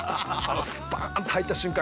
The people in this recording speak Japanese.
スパーンと入った瞬間